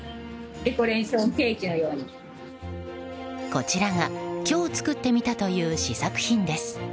こちらが今日作ってみたという試作品です。